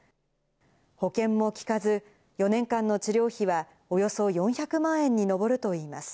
保険も利かず、４年間の治療費はおよそ４００万円に上るといいます。